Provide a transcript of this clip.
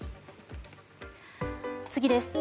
次です。